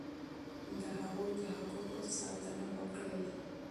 د هغوی د حقوقو ساتنه وکړئ.